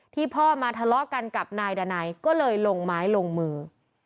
พ่อมาทะเลาะกันกับนายดานัยก็เลยลงไม้ลงมือ